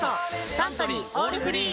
サントリー「オールフリー」！